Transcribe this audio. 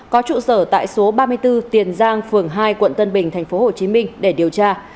có trụ sở tại số ba mươi bốn tiền giang phường hai quận tân bình thành phố hồ chí minh để điều tra